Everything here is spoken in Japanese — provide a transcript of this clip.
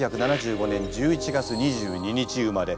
１９７５年１１月２２日生まれ。